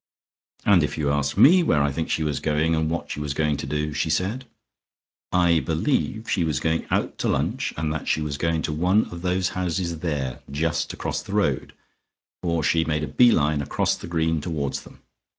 "And if you ask me where I think she was going and what she was going to do," she said, "I believe she was going out to lunch and that she was going to one of those houses there, just across the road, for she made a bee line across the green towards them.